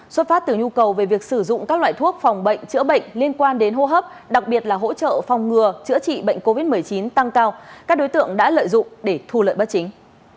xuất phát từ nhu cầu về việc sử dụng các loại thuốc phòng bệnh chữa bệnh liên quan đến hô hấp đặc biệt là hỗ trợ phòng ngừa chữa trị bệnh covid một mươi chín tăng cao các đối tượng đã lợi dụng để thu lợi bất chính